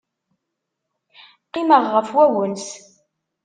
Qqimeɣ ɣef wagens.